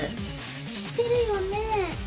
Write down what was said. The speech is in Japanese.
知ってるよね？